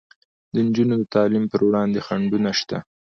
د نجونو د تعلیم پر وړاندې خنډونه شته.